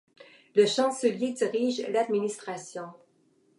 Le chancelier dirige l’administration.